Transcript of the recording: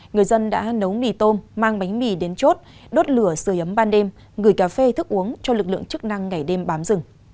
người dân đã nấu mì tôm mang bánh mì đến chốt đốt lửa sửa ấm ban đêm gửi cà phê thức uống cho lực lượng chức năng ngày đêm bám rừng